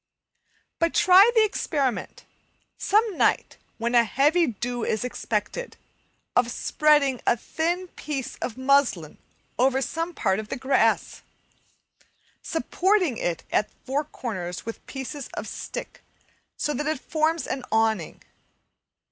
But try the experiment, some night when a heavy dew is expected, of spreading a thin piece of muslin over some part of the grass, supporting it at the four corners with pieces of stick so that it forms an awning.